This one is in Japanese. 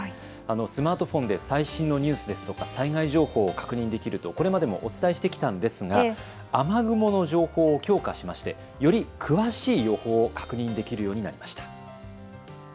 スマートフォンで最新のニュースですとか災害情報を確認できるとこれまでもお伝えしてきたんですが、雨雲の情報を強化しましてより詳しい予報を確認できるようになりました。